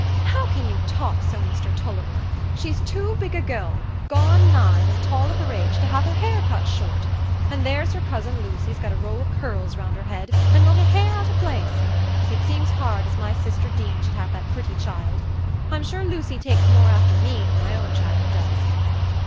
"How can you talk so, Mr Tulliver? She's too big a gell—gone nine, and tall of her age—to have her hair cut short; an' there's her cousin Lucy's got a row o' curls round her head, an' not a hair out o' place. It seems hard as my sister Deane should have that pretty child; I'm sure Lucy takes more after me nor my own child does.